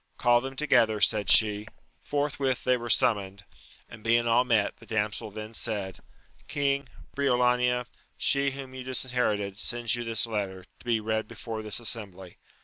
Call them together, said she. Forthwith they were summoned, and being all met, the damsel then said, King, Briolania, she whom you disherited, sends you this letter, to be read before this assembly.